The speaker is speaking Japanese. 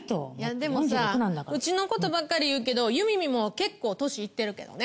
でもさうちのことばっかり言うけどゆみみも結構年いってるけどね。